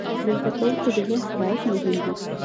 د زده کوونکو د ژوند شرایط مهم دي.